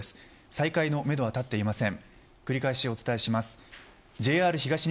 再開のめどは立っていません。